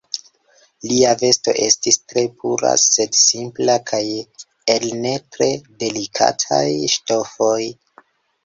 Lia vesto estis tre pura, sed simpla, kaj el ne tre delikataj ŝtofoj.